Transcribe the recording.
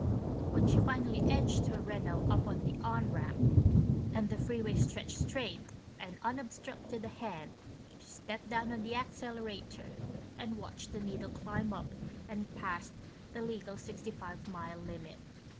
When she finally edged her Renault up on the "on" ramp and the freeway stretched straight and unobstructed ahead, she stepped down on the accelerator and watched the needle climb up and past the legal 65 mile limit.